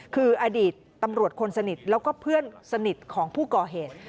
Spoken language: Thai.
คืออดีตตำรวจคนสนิทแล้วก็เพื่อนสนิทของผู้ก่อเหตุ